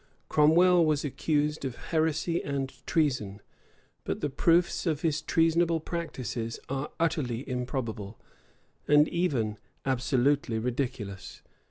Cromwell was accused of heresy and treason: but the proofs of his treasonable practices are utterly improbable, and even absolutely ridiculous.